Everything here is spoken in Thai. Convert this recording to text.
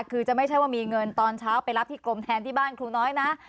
คือจะไม่ใช่ว่ามีเงินตอนเช้าไปรับที่กรมแทนที่บ้านครูน้อยนะ